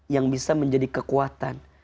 yang bisa menjadi kekuatan